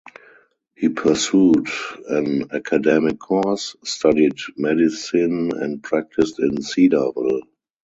He pursued an academic course, studied medicine and practiced in Cedarville.